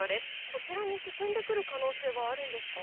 こちらに進んでくる可能性はあるんですか？